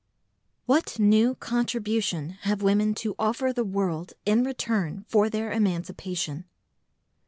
What new contribution have women to offer the world in return for their emancipation?